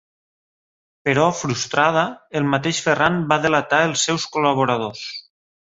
Però frustrada, el mateix Ferran va delatar els seus col·laboradors.